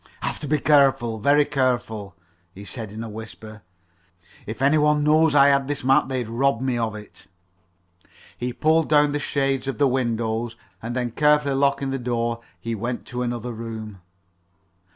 "Have to be very careful very careful," he said in a whisper. "If any one knowed I had this map they'd rob me of it." He pulled down the shades of the windows, and then carefully locking the door he went to another room.